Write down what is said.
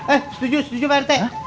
eh setuju pak rt